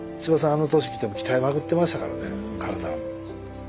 あの年でも鍛えまくってましたからね体。